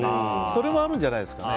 それもあるんじゃないですかね。